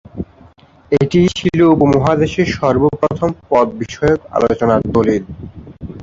এটিই ছিল উপমহাদেশে সর্বপ্রথম পদ-বিষয়ক আলোচনার দলিল।